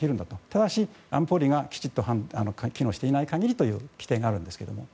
ただし、安保理がきちっと機能していない限りという規定があるんですけども。